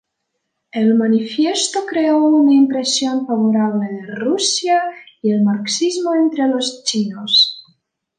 El manifiesto creó una impresión favorable de Rusia y el marxismo entre los chinos.